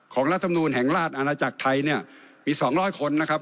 ของรัฐธรรมนูลแห่งราชอาณาจักรไทยมี๒๐๐คนนะครับ